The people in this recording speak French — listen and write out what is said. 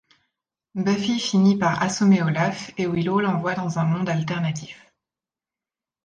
Buffy finit par assommer Olaf et Willow l'envoie dans un monde alternatif.